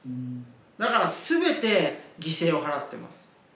だから全て犠牲を払ってます。